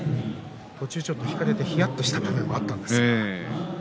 途中、ちょっと引かれてひやっとした場面もありました。